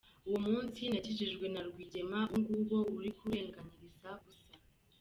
Uwo munsi nakijijwe na Rwigema, uwo nguwo uri kurenganyiriza ubusa.